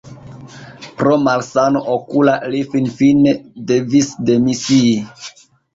Pro malsano okula li finfine devis demisii.